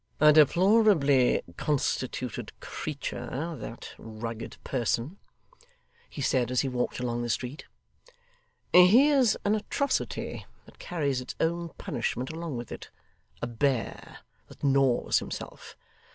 'A deplorably constituted creature, that rugged person,' he said, as he walked along the street; 'he is an atrocity that carries its own punishment along with it a bear that gnaws himself.